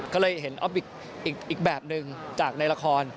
ก็เลยเห็นอีกแบบหนึ่งจากในละคร